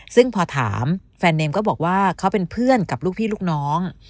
ซึ่งพอถามแฟนเนมก็บอกว่าเขาเป็นเพื่อนกับลูกพี่ลูกน้อง